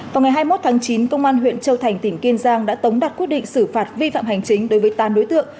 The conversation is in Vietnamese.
vào ngày hai mươi một tháng chín công an huyện châu thành tỉnh kiên giang đã tống đặt quyết định xử phạt vi phạm hành chính đối với tám đối tượng